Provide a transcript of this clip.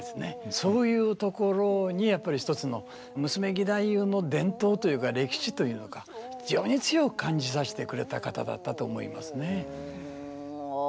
そういうところにやっぱり一つの娘義太夫の伝統というか歴史というのか非常に強く感じさせてくれた方だったと思いますね。